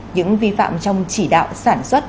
những vi phạm trong chỉ đạo sản xuất